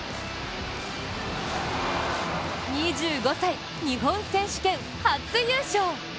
２５歳、日本選手権初優勝。